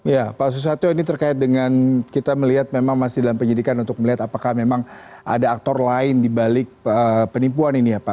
ya pak susatyo ini terkait dengan kita melihat memang masih dalam penyidikan untuk melihat apakah memang ada aktor lain dibalik penipuan ini ya pak